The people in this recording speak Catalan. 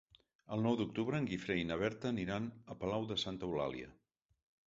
El nou d'octubre en Guifré i na Berta aniran a Palau de Santa Eulàlia.